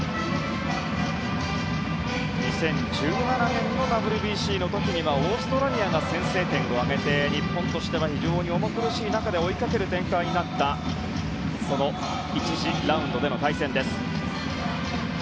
２０１７年のＷＢＣの時にはオーストラリアが先制点を挙げて日本としては非常に重苦しい中で追いかける展開になった１次ラウンドでの対戦です。